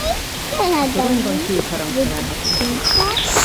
A toronyban két harang található.